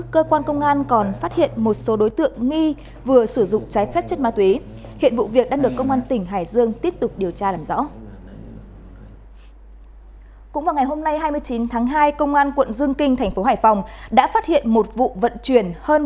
cơ quan công an phát hiện một số đối tượng nghi vừa sử dụng trái phép chất ma túy